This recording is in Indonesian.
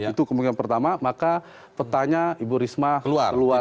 itu kemungkinan pertama maka pertanyaan ibu risma keluar keluar keluar